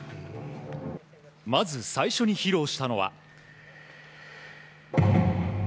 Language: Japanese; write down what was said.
まず最初に披露したのは。